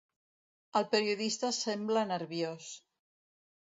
El periodista sembla nerviós.